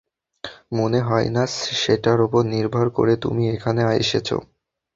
মনে হয় না সেটার ওপর নির্ভর করে তুমি এখানে এসেছ।